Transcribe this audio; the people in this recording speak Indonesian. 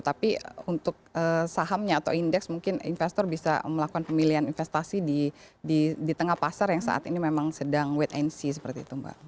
tapi untuk sahamnya atau indeks mungkin investor bisa melakukan pemilihan investasi di tengah pasar yang saat ini memang sedang wait and see seperti itu mbak